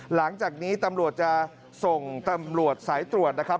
หลังจากนี้ตำรวจจะส่งตำรวจสายตรวจนะครับ